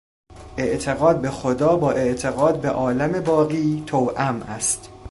اعتقاد به خدا با اعتقاد به عالم باقی توام است.